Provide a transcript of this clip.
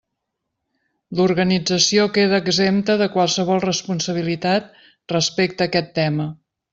L'organització queda exempta de qualsevol responsabilitat respecte a aquest tema.